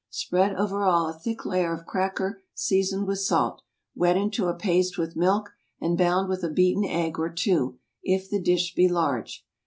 Spread over all a thick layer of cracker seasoned with salt, wet into a paste with milk and bound with a beaten egg or two, if the dish be large.